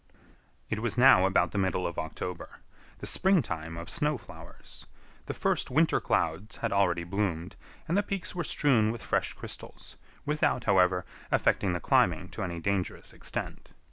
It was now about the middle of October, the springtime of snow flowers. The first winter clouds had already bloomed, and the peaks were strewn with fresh crystals, without, however, affecting the climbing to any dangerous extent.